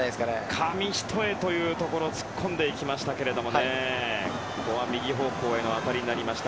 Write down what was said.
紙一重というところ突っ込んでいきましたがここは右方向への当たりになりました。